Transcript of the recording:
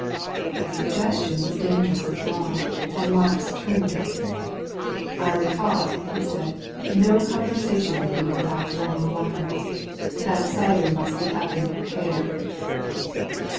The suggestion was dangerously broad, and Marks turned it. "I recall," he said, "no conversation with you about running water. That cider must be up in your hair."